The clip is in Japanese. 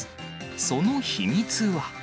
その秘密は。